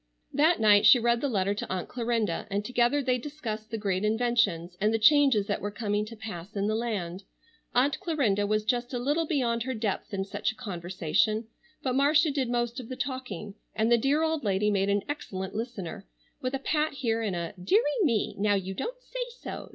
That night she read the letter to Aunt Clarinda and together they discussed the great inventions, and the changes that were coming to pass in the land. Aunt Clarinda was just a little beyond her depth in such a conversation, but Marcia did most of the talking, and the dear old lady made an excellent listener, with a pat here, and a "Dearie me! Now you don't say so!"